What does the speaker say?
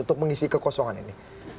untuk mengisi kekosongan ini